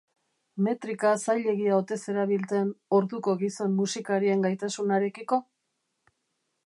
Metrika zailegia ote zerabilten orduko gizon musikarien gaitasunarekiko?